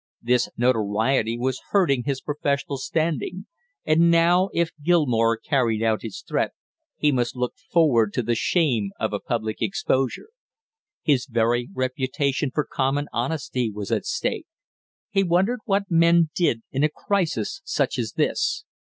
This notoriety was hurting his professional standing, and now if Gilmore carried out his threat he must look forward to the shame of a public exposure. His very reputation for common honesty was at stake. He wondered what men did in a crisis such as this.